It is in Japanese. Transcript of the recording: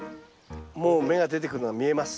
もう芽が出てくるのが見えます。